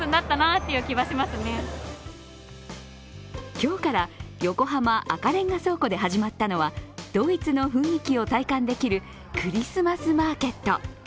今日から横浜赤レンガ倉庫で始まったのはドイツの雰囲気を体感できるクリスマスマーケット。